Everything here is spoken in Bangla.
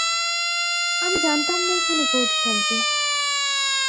আমি জানতাম না এখানে কোড থাকবে।